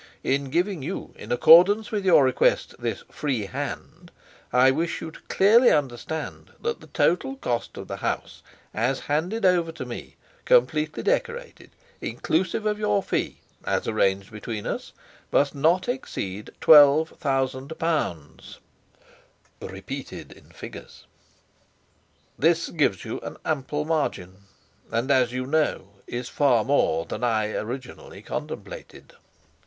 In giving you, in accordance with your request, this "free hand," I wish you to clearly understand that the total cost of the house as handed over to me completely decorated, inclusive of your fee (as arranged between us), must not exceed twelve thousand pounds—£12,000. This gives you an ample margin, and, as you know, is far more than I originally contemplated.